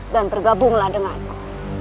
dan tergabunglah dengan aku